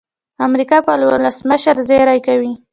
امریکا پر ولسمشر زېری کوي.